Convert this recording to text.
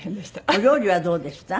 お料理はどうでした？